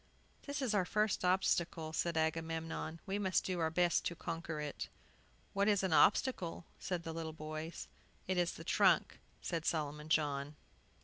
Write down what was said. "This is our first obstacle," said Agamemnon; "we must do our best to conquer it." "What is an obstacle?" asked the little boys. "It is the trunk," said Solomon John.